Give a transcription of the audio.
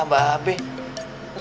ah alah mbak abe